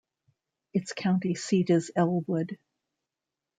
Its county seat is Elwood.